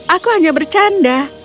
aku hanya bercanda